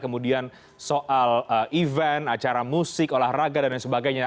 kemudian soal event acara musik olahraga dan lain sebagainya